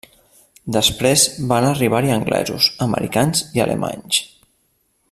Després, van arribar-hi anglesos, americans i alemanys.